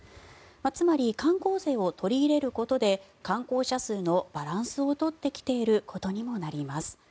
つまり観光税を取り入れることで観光者数のバランスを取ってきていることにもなります。